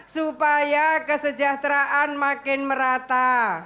supaya kesejahteraan makin merata